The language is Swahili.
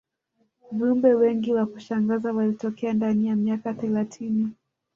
viumbe wengi wa kushangaza walitokea ndani ya miaka thelathini